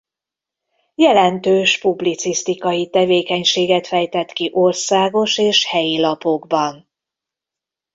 Jelentős publicisztikai tevékenységet fejtett ki országos és helyi lapokban.